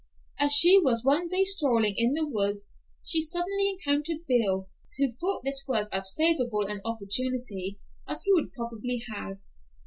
As she was one day strolling in the woods she suddenly encountered Bill, who thought this was as favorable an opportunity as he would probably have.